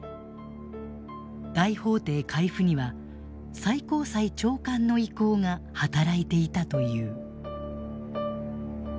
大法廷回付には最高裁長官の意向が働いていたという。